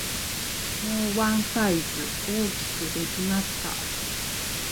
もうワンサイズ大きくできますか？